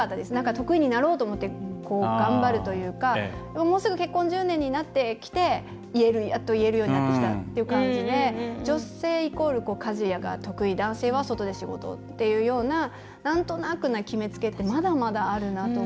得意になろうと思って頑張るというかもうすぐ結婚１０年になってきてやっと言えるようになってきたという感じで女性イコール家事が得意男性は外で仕事っていうようななんとなくな決めつけってまだまだあるなと思います。